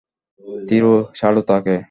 থিরু, ছাড়ো তাকে।